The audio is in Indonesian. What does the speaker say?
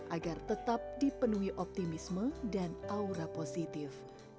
agar tetap dipenuhi optimisme dan aura positif